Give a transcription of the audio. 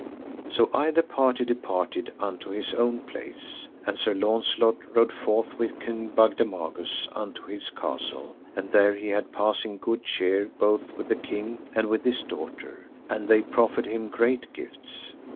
So either party departed unto his own place, and Sir Launcelot rode forth with King Bagdemagus unto his castle, and there he had passing good cheer both with the king and with his daughter, and they proffered him great gifts.